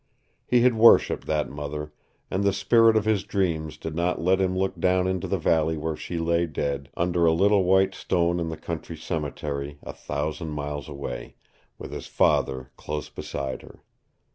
He had worshiped that mother, and the spirit of his dreams did not let him look down into the valley where she lay dead, under a little white stone in the country cemetery a thousand miles away, with his father close beside her.